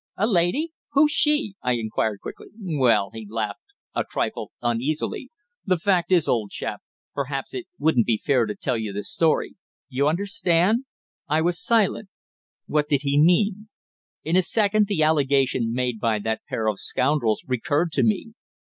"A lady! Who's she?" I inquired quickly. "Well," he laughed a trifle uneasily, "the fact is, old chap, perhaps it wouldn't be fair to tell the story. You understand?" I was silent. What did he mean? In a second the allegation made by that pair of scoundrels recurred to me.